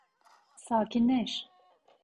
Sakinleş.